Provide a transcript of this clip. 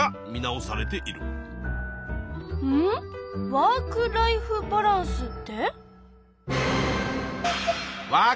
「ワーク・ライフ・バランス」って？